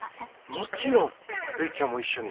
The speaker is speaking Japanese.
もちろんるいちゃんも一緒に。